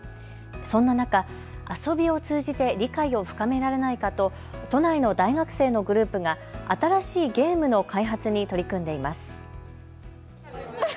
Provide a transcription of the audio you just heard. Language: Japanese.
そんな中、遊びを通じて理解を深められないかと都内の大学生のグループが新しいゲームの開発に取り組んでいます。